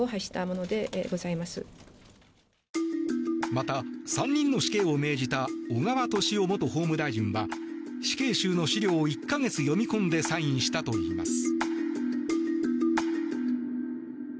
また、３人の死刑を命じた小川敏夫元法務大臣は死刑囚の資料を１か月読み込んでサインしたといいます。